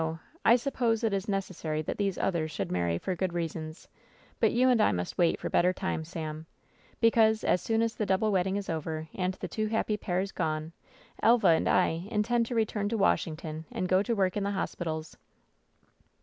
I suppose it is necessary that these others should marry for good reasons, but you and I must wait for better times, Sam, because, as soon as the double wedding is over and the two ^happy' pairs gone, Elva and I intend to return to Washington and go to work in the hospitals."